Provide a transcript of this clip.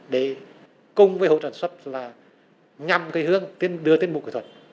để cùng với hỗ trợ sản xuất là nhằm cái hướng đưa tiến bộ kỹ thuật